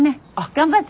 頑張って。